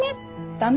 駄目？